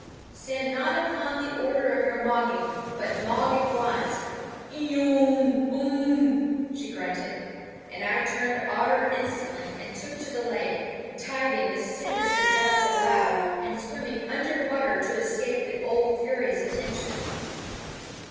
"Stand not upon the order of your mogging, but mog at once eeeunh! unh!" she grunted; and I turned otter instantly and took to the lake, diving as soon as the depth allowed and swimming under water to escape the old fury's attention.